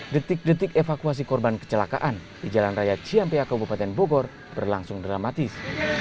detik detik evakuasi korban kecelakaan di jalan raya ciampia kabupaten bogor berlangsung dramatis